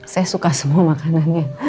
saya suka semua makanannya